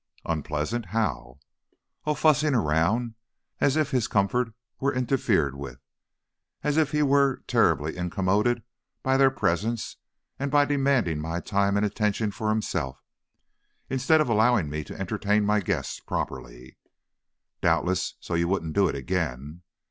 "Unpleasant, how?" "Oh, fussing around, as if his comfort were interfered with, as if he were terribly incommoded by their presence, and by demanding my time and attention for himself, instead of allowing me to entertain my guests properly." "Doubtless so you wouldn't do it again."